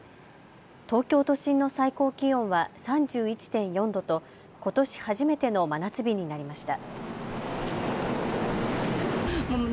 東京都心の最高気温は３１．４度とことし初めての真夏日になりました。